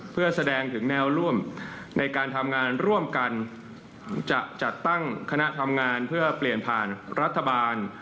เพื่อแสดงถึงแนวร่วมในการทำงานร่วมกันจะจัดตั้งคณะทำงานเพื่อเปลี่ยนผ่านรัฐบาล